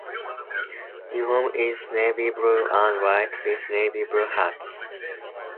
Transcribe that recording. Uniform is navy blue and white, with navy blue hats.